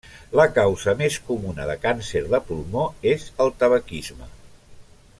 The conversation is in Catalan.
La causa més comuna de càncer de pulmó és el tabaquisme.